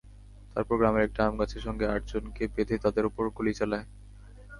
তারপর গ্রামের একটি আমগাছের সঙ্গে আটজনকে বেঁধে তাঁদের ওপরে গুলি চালায়।